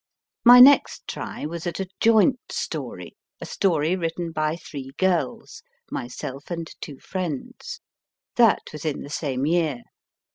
My next try was at a joint story a story written by three girls, myself and two friends. That was in the same year.